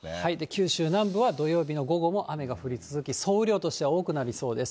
九州南部は土曜日の午後も雨が降り続き、総雨量としては多くなりそうです。